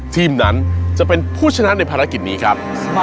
ทีมนั้นจะเป็นผู้ชนะในภารกิจนี้ครับ